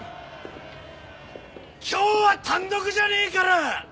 今日は単独じゃねえから！